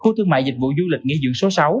khu thương mại dịch vụ du lịch nghị dưỡng số sáu